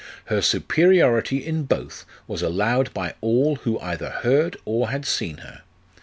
Her superiority in both was allowed by all who either heard or had seen her.